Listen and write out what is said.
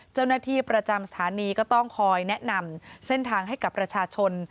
เจ้าหน้าที่ประจำสถานีก็ต้องคอยแนะนำเส้นทางให้กับประชาชน